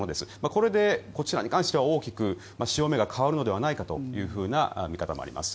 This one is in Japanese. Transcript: これでこちらに関しては大きく潮目が変わるのではないかという見方もあります。